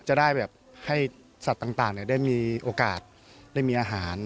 จะได้แบบให้สัตว์ต่างได้มีโอกาสได้มีอาหาร